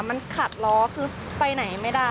มันขัดล้อคือไปไหนไม่ได้อ่ะค่ะ